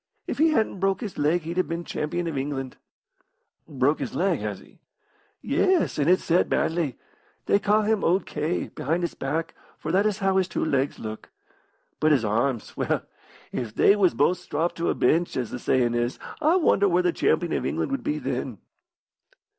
If he hadn't broke his leg he'd have been champion of England." "Broke his leg, has he?" "Yes, and it set badly. They ca' him owd K, behind his back, for that is how his two legs look. But his arms well, if they was both stropped to a bench, as the sayin' is, I wonder where the champion of England would be then."